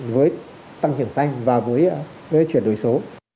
với tăng trưởng xanh và với chuyển đổi số